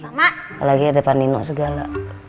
sama apalagi ada pak nino segala